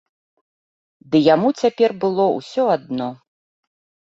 Ды яму цяпер было ўсё адно.